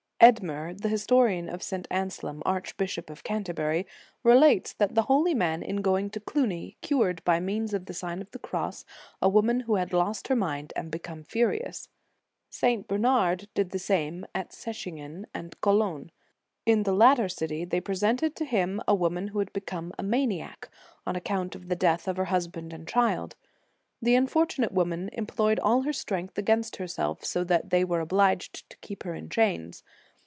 Edmer, the historian of St. Anselm, arch bishop of Canterbury, relates that the holy man in going to Cluny, cured, by means of the Sign of the Cross, a woman who had lost her mind, and become furious.f St. Bernard did the same at Sechingen and Cologne. In the latter city, they presented to him a woman who had become a maniac, * Fleury. Hist. eocl. lib. xxiv, n. 28. f Vit. S. Anselm, lib. ii. 1 68 The Sign of the Cross on account of the death of her husband and child. The unfortunate woman employed all her strength against herself, so that they were obliged to keep her in chains.